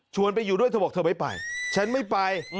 ไปอยู่ด้วยเธอบอกเธอไม่ไปฉันไม่ไป